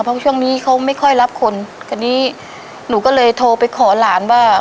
เพราะช่วงนี้เขาไม่ค่อยรับคนคราวนี้หนูก็เลยโทรไปขอหลานว่า